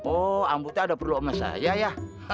oh ambo ini ada perlu sama saya ya